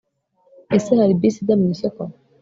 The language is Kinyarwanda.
Ese Hari bisi ijya mu isoko